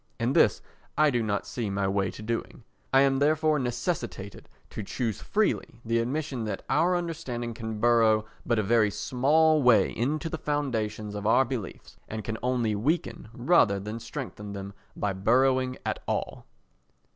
And this I do not see my way to doing. I am therefore necessitated to choose freely the admission that our understanding can burrow but a very small way into the foundations of our beliefs, and can only weaken rather than strengthen them by burrowing at all.